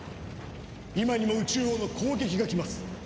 今にも宇蟲王の攻撃が来ます。